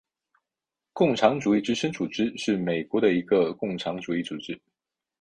共产主义之声组织是美国的一个共产主义组织。